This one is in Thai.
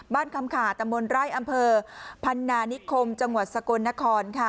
คำขาตะมนต์ไร่อำเภอพันนานิคมจังหวัดสกลนครค่ะ